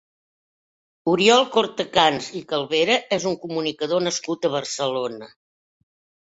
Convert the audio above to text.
Oriol Cortacans i Calvera és un comunicador nascut a Barcelona.